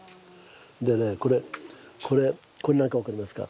でねこれこれこれ何か分かりますか。